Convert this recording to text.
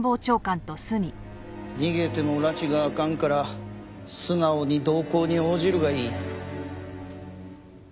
逃げてもらちが明かんから素直に同行に応じるがいい。